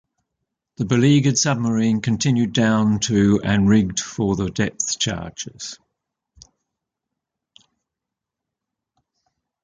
The beleaguered submarine continued down to and rigged for depth charges.